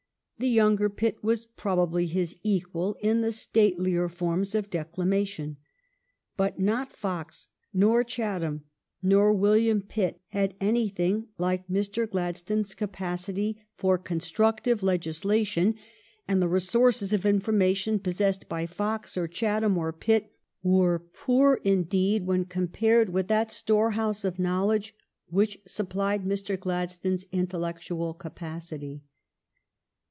The younger Pitt was probably his equal in the statelier forms of declama tion. But not Fox nor Chatham nor William Pitt had anything like Mr. Gladstone's capacity for con 430 THE STORY OF GLADSTONE'S LIFE structive legislation, and the resources of informa tion possessed by Fox or Chatham or Pitt were poor indeed when compared with that storehouse of knowledge which supplied Mr. Gladstone's intel lectual capacity.